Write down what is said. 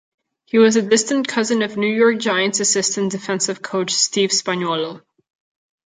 He was the distant cousin of New York Giants assistant defensive coach Steve Spagnuolo.